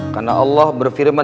karena allah berfirman